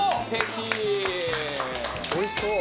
おいしそう。